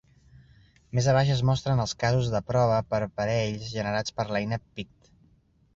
Més abaix es mostren els casos de prova per parells generats per l'eina PICT.